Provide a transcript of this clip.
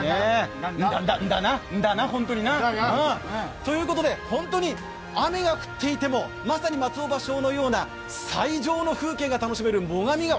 んだな、ホントにな。ということで本当に雨が降っていてもまさに松尾芭蕉のような最上の風景が楽しめる最上川。